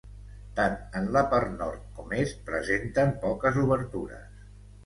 Tant en la part Nord com Est presenten poques obertures.